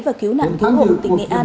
và cứu nạn cứu hộ tỉnh nghệ an